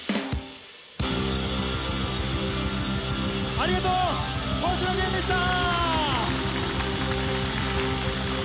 ありがとう、星野源でした。